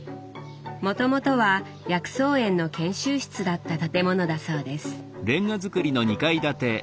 もともとは薬草園の研修室だった建物だそうです。